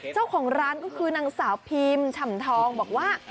เจ้าของร้านก็คือนางสาวพิมฉ่ำทองบอกว่า